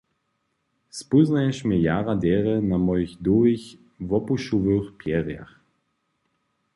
Spóznaješ mje jara derje na mojich dołhich wopušowych pjerjach.